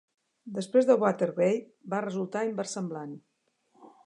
Després del Watergate, va resultar inversemblant.